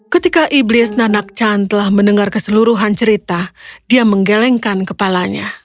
ketika iblis nanak chan telah mendengar keseluruhan cerita dia menggelengkan kepalanya